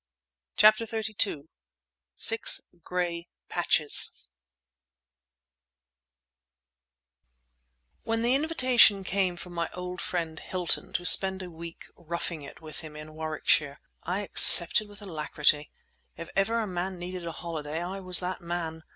CHAPTER XXXII SIX GRAY PATCHES When the invitation came from my old friend Hilton to spend a week "roughing it" with him in Warwickshire I accepted with alacrity. If ever a man needed a holiday I was that man.